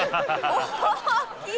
大きい。